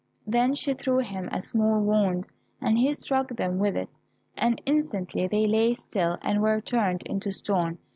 Then she threw him a small wand, and he struck them with it, and instantly they lay still and were turned into stone.